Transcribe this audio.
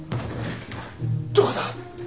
どこだ！？